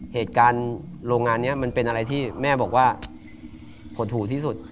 เหตุการณ์โรงงานนี้มันเป็นอะไรที่แม่บอกว่าหดหูที่สุด